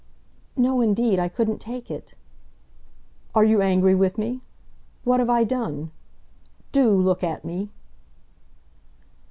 "No, indeed, I couldn't take it." "Are you angry with me? What have I done? Do look at me."